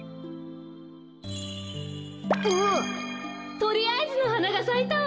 とりあえずのはながさいたわ！